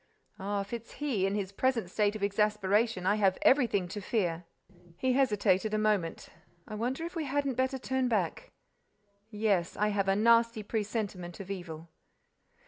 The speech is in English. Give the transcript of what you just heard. Ah, if it's he, in his present state of exasperation, I have everything to fear!" He hesitated a moment: "I wonder if we hadn't better turn back. Yes, I have a nasty presentiment of evil."